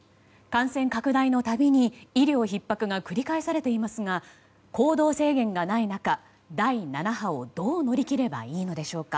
感染拡大のたびに医療ひっ迫が繰り返されていますが行動制限がない中第７波をどう乗り切ればいいのでしょうか。